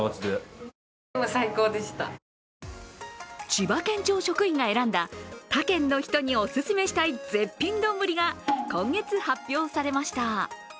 千葉県庁職員が選んだ他県の人におすすめしたい絶品丼が今月、発表されました。